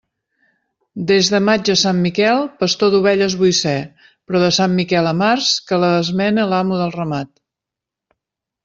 Des de maig a Sant Miquel, pastor d'ovelles vull ser; però de Sant Miquel a març, que les mene l'amo del ramat.